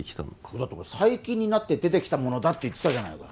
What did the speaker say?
だって最近になって出てきたものだって言ってたじゃないか